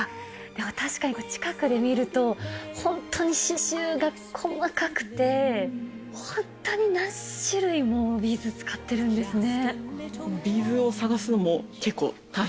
でも確かに近くで見ると、本当に刺しゅうが細かくて、本当に何種類もビーズ使っているんですね。